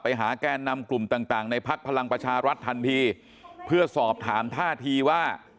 ไปหาแก้นนำกลุ่มต่างในพลักษณ์พลังประชารัฐธันที่เพื่อสอบถามท่าทีว่า